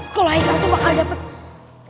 kalau ikan tuh bakal dapet